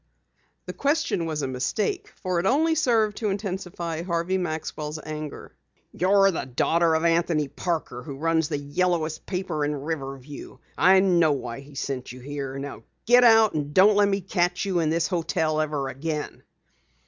The question was a mistake, for it only served to intensify Harvey Maxwell's anger. "You're the daughter of Anthony Parker who runs the yellowest paper in Riverview! I know why he sent you here. Now get out and don't let me catch you in the hotel ever again."